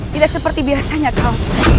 tidak seperti biasanya kau